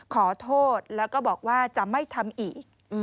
ขอโทษแล้วก็บอกว่าจะไม่ทำอีก